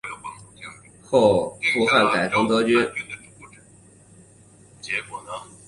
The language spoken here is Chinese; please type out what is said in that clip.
后汉复改成德军。